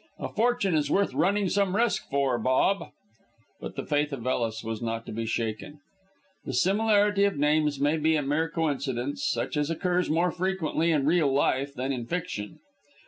A fortune is worth running some risk for, Bob." But the faith of Ellis was not to be shaken. "The similarity of names may be a mere coincidence, such as occurs more frequently in real life than in fiction.